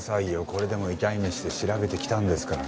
これでも痛い目して調べてきたんですから。